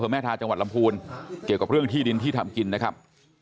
แม่ทาจังหวัดลำพูนเกี่ยวกับเรื่องที่ดินที่ทำกินนะครับ